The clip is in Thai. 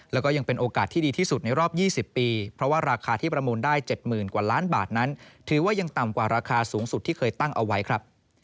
แล้วก็ยังเป็นโอกาสที่ดีที่สุดในรอบ๒๐ปีเพราะว่าราคาที่ประมูลได้๗๐๐กว่าล้านบาทนั้นถือว่ายังต่ำกว่าราคาสูงสุดที่เคยตั้งเอาไว้ครับ